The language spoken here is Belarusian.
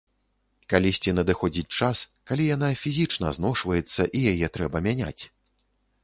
Калісьці надыходзіць час, калі яна фізічна зношваецца і яе трэба мяняць.